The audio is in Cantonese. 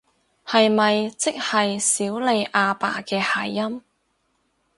係咪即係少理阿爸嘅諧音？